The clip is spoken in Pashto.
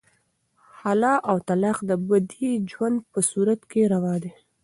خلع او طلاق د بدې ژوند په صورت کې روا دي.